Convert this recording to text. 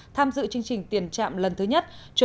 tham dự chương trình tiền chạm lần thứ nhất